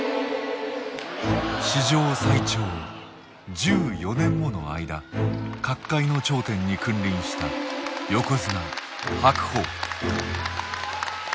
史上最長１４年もの間角界の頂点に君臨した横綱白鵬。